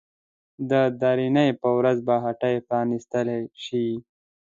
د درېنۍ په ورځ به هټۍ پرانيستل شي.